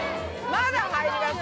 まだ入りますね。